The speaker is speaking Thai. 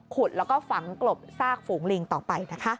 ขุดแล้วก็ฝังกลบซากฝูงลิงต่อไปนะคะ